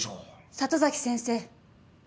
里崎先生。